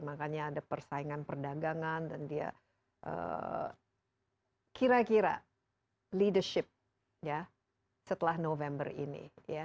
makanya ada persaingan perdagangan dan dia kira kira leadership ya setelah november ini